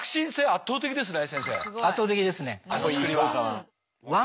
圧倒的ですね。